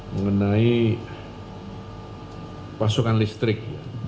mengenai pasukan listrik